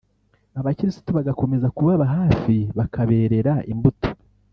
Abakirisitu bagakomeza kubaba hafi bakaberera imbuto